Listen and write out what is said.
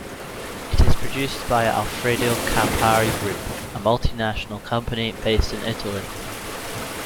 It is produced by the Alfredo Campari Group, a multi-national company based in Italy.